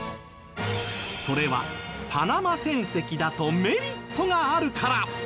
それはパナマ船籍だとメリットがあるから！